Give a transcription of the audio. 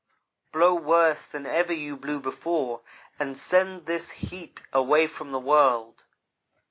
Blow worse than ever you blew before, and send this heat away from the world.'